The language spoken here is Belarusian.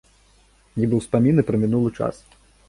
Нібы ўспаміны пра мінулы час.